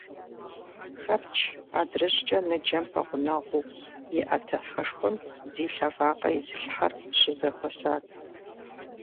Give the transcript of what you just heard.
Тэрч адрыщӀкӀэ ныджэм пэгъунэгъуу иӀэ тафэшхуэм зи лъэ вакъэ изылъхьэр щызэхуэсат.